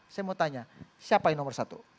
saya mau tanya siapa yang nomor satu